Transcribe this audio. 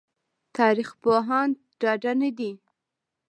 تاريخ پوهان ډاډه نه دي